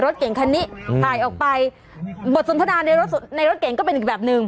รถเก่งคันนี้ถ่ายออกไปบทสนทนาในรถในรถเก่งก็เป็นอีกแบบหนึ่ง